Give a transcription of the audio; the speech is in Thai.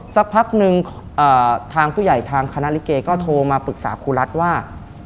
สักพักนึงทางผู้ใหญ่ทางคณะลิเกก็โทรมาปรึกษาครูรัฐว่า